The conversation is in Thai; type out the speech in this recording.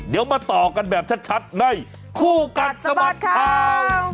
เดี๋ยวมาต่อกันแบบชัดในคู่กัดสะบัดข่าว